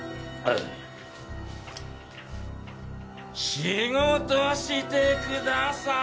仕事してください！